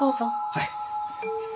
はい。